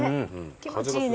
気持ちいいね。